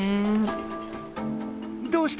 どうした？